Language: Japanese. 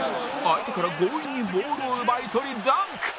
相手から強引にボールを奪い取りダンク！